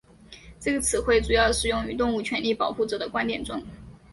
这个词汇主要使用于动物权利保护者的观点中。